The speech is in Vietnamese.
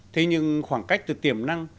thế nhưng khoảng cách từ tiềm năng